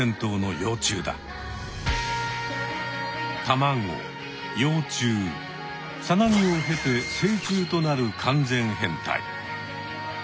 たまご幼虫さなぎを経て成虫となる完全変態。